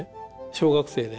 小学生で。